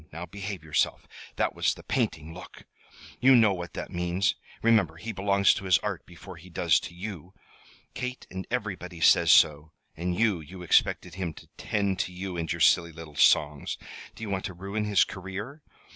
Now behave yourself. That was the painting look! You know what that means. Remember, he belongs to his Art before he does to you. Kate and everybody says so. And you you expected him to tend to you and your silly little songs. Do you want to ruin his career?